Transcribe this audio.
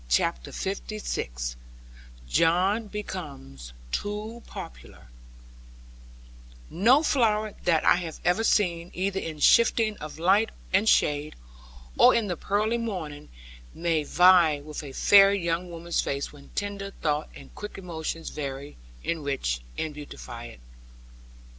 CHAPTER LVI JOHN BECOMES TOO POPULAR No flower that I have ever seen, either in shifting of light and shade, or in the pearly morning, may vie with a fair young woman's face when tender thought and quick emotion vary, enrich, and beautify it.